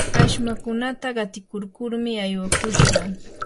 ashmankunata qatikurkurmi aywakushqa.